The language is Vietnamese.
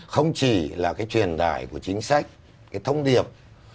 không chỉ là cái truyền đại của chính sách cái thông điệp